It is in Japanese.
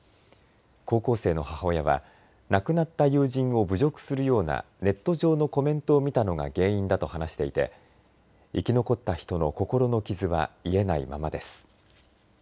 高校生の母親は亡くなった友人を侮辱するようなネット上のコメントを見たのが原因だと話していて生き残った人の心の傷は癒えないままです。